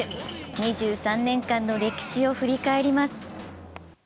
２３年間の歴史を振り返ります。